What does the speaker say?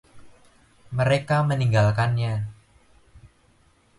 Mereka meninggalkannya.